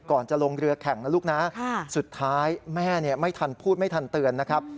จะลงเรือแข่งนะลูกนะสุดท้ายแม่ไม่ทันพูดไม่ทันเตือนนะครับ